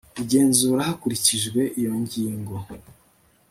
igenzura hakurikijwe iyi ngingo